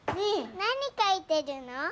何描いてるの？